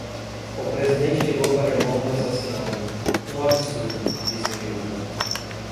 O presidente ligou para irmãos do assassinado: 'um absurdo', disse a viúva